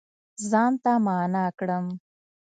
ځان ته معنا کړم